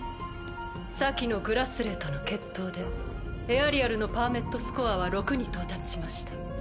先のグラスレーとの決闘でエアリアルのパーメットスコアは６に到達しました。